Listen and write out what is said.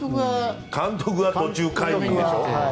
監督は途中解任でしょ。